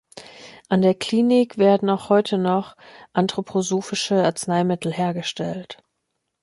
An der Klinik werden auch heute noch anthroposophische Arzneimittel hergestellt.